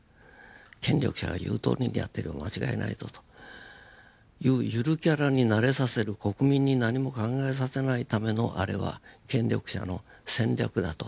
権力者が言うとおりにやってれば間違いないぞというゆるキャラに慣れさせる国民に何も考えさせないためのあれは権力者の戦略だと。